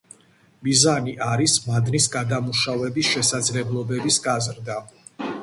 მიზანი არის მადნის გადამუშავების შესაძლებლობების გაზრდა.